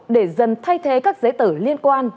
để dần thay thế các giấy tử liên quan